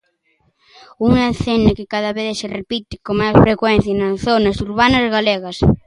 Unha escena que cada vez se repite con máis frecuencia nas zonas urbanas galegas.